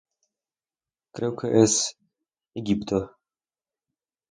Creo que es... Egipto.